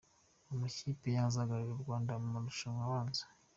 Amakipe azahagararira u Rwanda mu mashuri abanza.